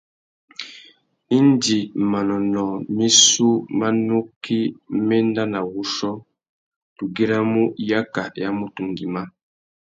Indi manônōh missú má nukí mà enda nà wuchiô, tu güiramú yaka ya mutu ngüimá.